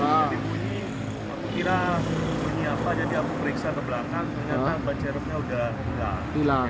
jadi bunyi aku kira bunyi apa jadi aku periksa ke belakang ternyata ban serepnya udah hilang